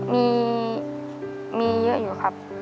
มีเยอะอยู่ครับ